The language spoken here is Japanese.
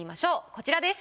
こちらです。